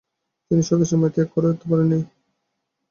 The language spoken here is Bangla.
তিনি স্বদেশের মায়া ত্যাগ করতে পারেননি।